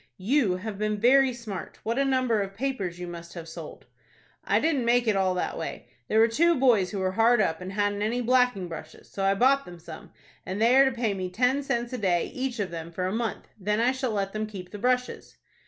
"You have been very smart. What a number of papers you must have sold!" "I didn't make it all that way. There were two boys who were hard up, and hadn't any blacking brushes; so I bought them some, and they are to pay me ten cents a day, each of them, for a month, then I shall let them keep the brushes."